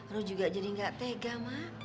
roh juga jadi gak tega mak